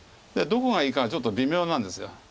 どこがいいかがちょっと微妙なんです。